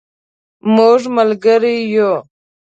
مونږ ملګری یو